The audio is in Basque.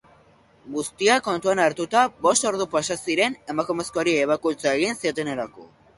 Guztia kontuan hartuta, bost ordu pasa ziren emakumezkoari ebakuntza egin ziotenerako.